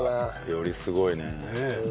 よりすごいね。